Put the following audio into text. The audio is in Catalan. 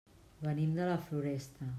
Venim de la Floresta.